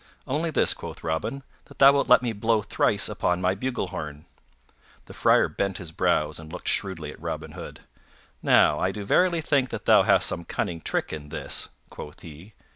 "Only this," quoth Robin; "that thou wilt let me blow thrice upon my bugle horn." The Friar bent his brows and looked shrewdly at Robin Hood. "Now I do verily think that thou hast some cunning trick in this," quoth he.